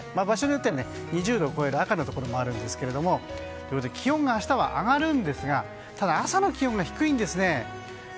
場所によっては２０度を超える赤のところもあるんですけど気温が明日は上がるんですがただ、朝の気温が低いんですね。